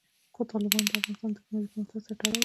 تالابونه د افغانستان د تکنالوژۍ پرمختګ سره تړاو لري.